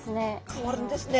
変わるんですね。